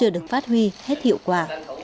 được phát huy hết hiệu quả